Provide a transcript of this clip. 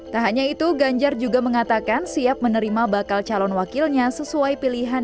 tak hanya itu ganjar juga mengatakan siap menerima bakal calon wakilnya sesuai pilihan